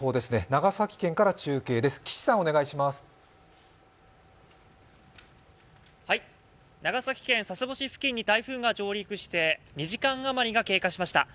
長崎県佐世保市付近に台風が上陸して２時間余りが経過しました。